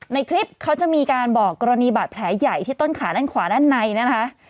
ในคลิปเขาจะมีการบอกกรณีบาดแผลใหญ่ที่ต้นขาด้านขวาด้านในนะคะ